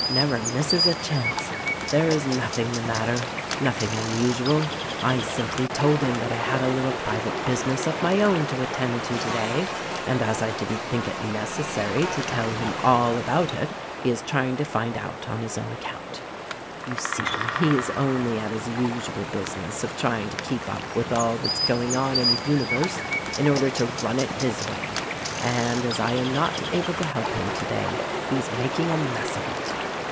Never misses a chance. There is nothing the matter — nothing unusual. I simplv 158 THE RECORDING ANGEL told him that I had a little private business of my own to attend to> today, and as I didn't think it necessary to tell him all about it he is trying to find out on his own account. Yoit see, he is only at his usual business of trying to keep up with all that's going on in the universe, in order to run it his way ; and, as I am not able to help him today, he's making a mess of it.